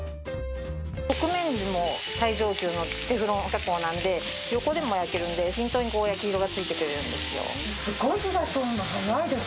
側面も最上級のテフロン加工なので横でも焼けるんで均等に焼き色がついてくれるんですよ。